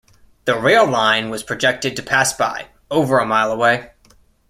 The rail line was projected to pass by, over a mile away.